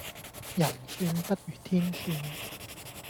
人算不如天算